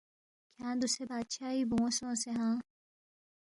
کھیانگ دوسے بادشائی بون٘و سونگسے ہاں